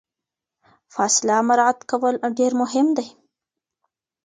فاصله مراعات کول ډیر مهم دي.